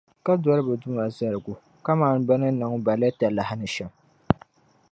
Ka doli bɛ Duuma zaligu kamani bɛ ni niŋ ba li talahi ni shɛm.